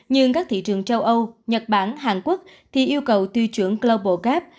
nhưng các thị trường châu âu nhật bản hàn quốc thì yêu cầu tiêu chuẩn global gap